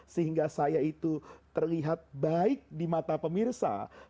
sehingga saya itu terlihat baik di mata pemirsa